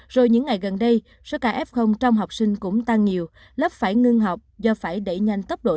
rồi những ngày gần đây số ca f trong học sinh cũng tăng nhiều lớp phải ngưng học do phải đẩy nhanh tốc độ